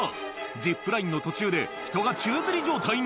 ジップラインの途中で、人が宙づり状態に。